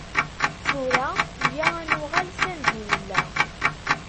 Tura, iyya ad nuɣal sanda i nella.